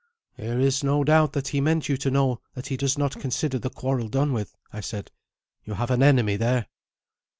"There is no doubt that he meant you to know that he does not consider the quarrel done with," I said. "You have an enemy there."